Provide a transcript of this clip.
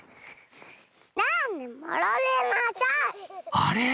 あれ？